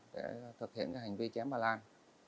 để thực hiện hành vi chém bà lan